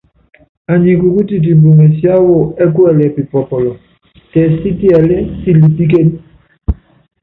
Anyi kukúti imbuŋɛ siáwɔ ɛ́ kuɛlɛ pipɔpɔlɔ, tɛɛ sítiɛlí silipíkéne.